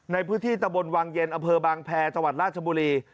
ในพื้นที่ตะบนวังเย็นอำเภอบางแพรจังหวัดราชบุรี